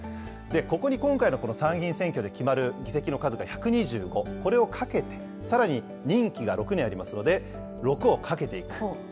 ここに今回の参議院選挙で決まる議席の数が１２５、これをかけて、さらに任期が６年ありますので、６を掛けていく。